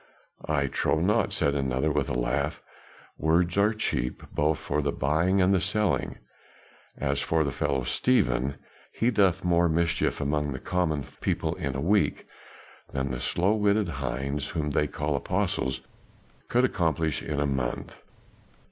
"'I trow not,' said another with a laugh, 'words are cheap both for the buying and selling; as for the fellow Stephen, he doeth more mischief among the common people in a week than the slow witted hinds whom they call apostles could accomplish in a month.